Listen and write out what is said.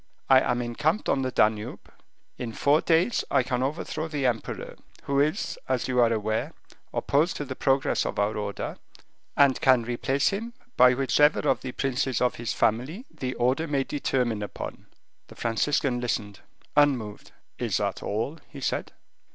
I am encamped on the Danube. In four days I can overthrow the emperor, who is, as you are aware, opposed to the progress of our order, and can replace him by whichever of the princes of his family the order may determine upon." The Franciscan listened, unmoved. "Is that all?" he said.